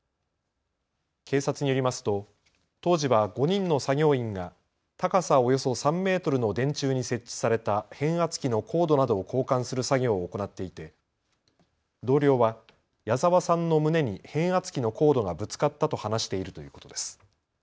警察によりますと当時は５人の作業員が高さおよそ３メートルの電柱に設置された変圧器の行動などを交換する作業を行っていて同僚は谷澤さんの胸に変圧器のコードがぶつかったと話しているということです。